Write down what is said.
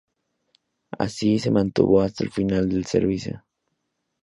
Así se mantuvo hasta el final del servicio.